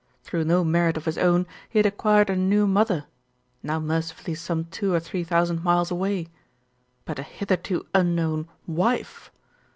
Through no merit of his own, he had acquired a new mother, now mercifully some two or three thousand miles away; but a hitherto unknown "wife